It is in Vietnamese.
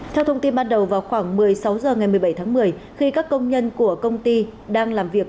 theo thông tin ban đầu vào khoảng một mươi sáu h ngày một mươi bảy tháng một mươi khi các công nhân của công ty đang làm việc